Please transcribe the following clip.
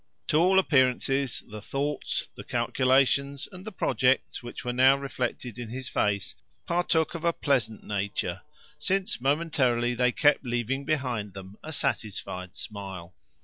To all appearances the thoughts, the calculations, and the projects which were now reflected in his face partook of a pleasant nature, since momentarily they kept leaving behind them a satisfied smile.